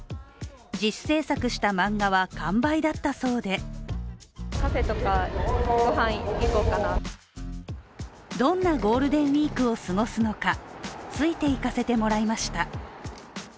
自主制作した漫画は完売だったそうでどんなゴールデンウイークを過ごすのかついて行かせてもらいました。